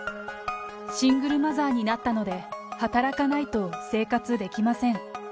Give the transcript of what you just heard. シングルマザーになったので働かないと生活できません。